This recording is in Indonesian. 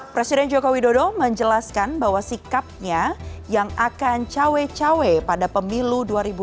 presiden joko widodo menjelaskan bahwa sikapnya yang akan cawe cawe pada pemilu dua ribu dua puluh